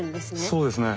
そうですね。